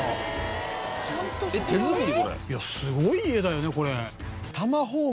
いやすごい家だよねこれ。